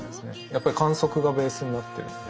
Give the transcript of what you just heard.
やっぱり観測がベースになってるので。